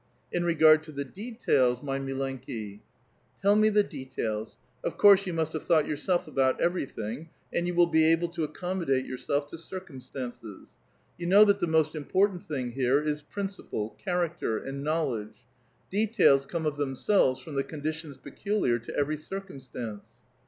" "•In regard to the details, mot mileukiJ' " Tell me the details. Of course you must have thought yourself about everything, and you will be able to accommo date vourself to circumstances. You know that the most im r portant thing here is principle, character, and knowledge. } Details come of themselves from the conditions peculiar to everv circumstance.